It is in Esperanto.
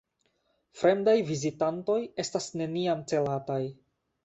Fremdaj vizitantoj estas neniam celataj.